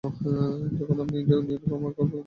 যখন আপনি unit command করবেন না?